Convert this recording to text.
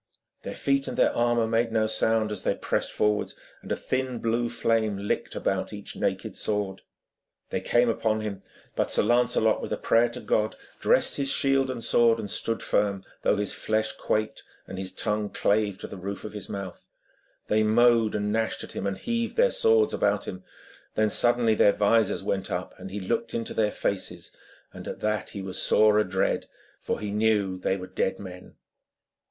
Their feet and their armour made no sound as they pressed forwards, and a thin blue flame licked about each naked sword. They came upon him, but Sir Lancelot, with a prayer to God, dressed his shield and sword and stood firm, though his flesh quaked and his tongue clave to the roof of his mouth. They mowed and gnashed at him, and heaved their swords about him; then suddenly their vizors went up and he looked into their faces. And at that he was sore adread, for he knew they were dead men.